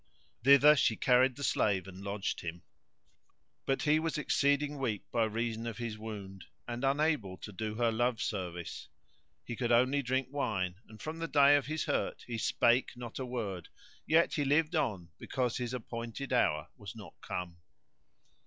Thither she carried the slave and lodged him; but he was exceeding weak by reason of his wound, and unable to do her love service; he could only drink wine and from the day of his hurt he spake not a word, yet he lived on because his appointed hour[FN#126] was not come.